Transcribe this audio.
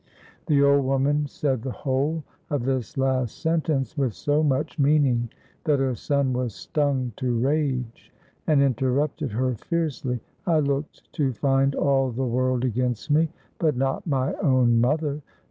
The old woman said the whole of this last sentence with so much meaning that her son was stung to rage, and interrupted her fiercely: "I looked to find all the world against me, but not my own mother.